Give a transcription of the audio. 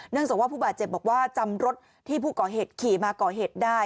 จากว่าผู้บาดเจ็บบอกว่าจำรถที่ผู้ก่อเหตุขี่มาก่อเหตุได้